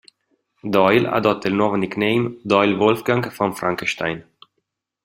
Doyle adotta il nuovo nickname Doyle Wolfgang Von Frankenstein.